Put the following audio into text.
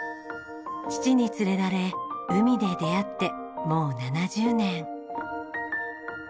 父に連れられ海で出会ってもう７０年。